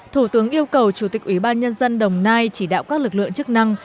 thủ tướng yêu cầu chủ tịch ủy ban nhân dân đồng nai chỉ đạo các lực lượng chức năng